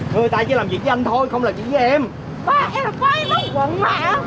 người ta chỉ làm việc với anh thôi không làm việc với em